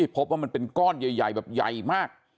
พบว่ามันเป็นก้อนใหญ่แบบใหญ่มาก